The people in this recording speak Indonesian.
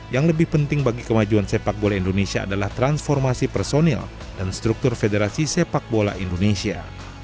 yang lebih penting bagi kemajuan sepak bola indonesia adalah transformasi personil dan struktur federasi sepak bola indonesia